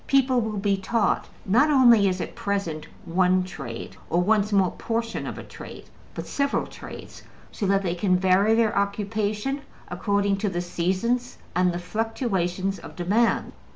People will be taught not only, as at present, one trade, or one small portion of a trade, but several trades, so that they can vary their occupation according to the seasons and the fluctuations of demand.